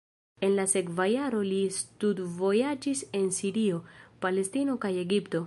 En la sekva jaro li studvojaĝis en Sirio, Palestino kaj Egipto.